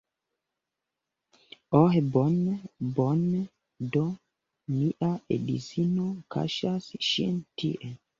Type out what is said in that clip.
Oh bone, bone, do mia edzino kaŝas ŝin tie